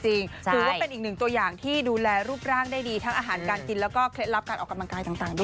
ถือว่าเป็นอีกหนึ่งตัวอย่างที่ดูแลรูปร่างได้ดีทั้งอาหารการกินแล้วก็เคล็ดลับการออกกำลังกายต่างด้วย